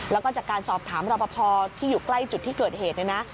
แล้วก็จากการสอบถามรอปภที่อยู่ใกล้จุดที่เกิดเหตุเนี่ยนะ